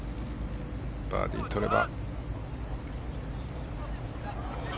バーディー取れば。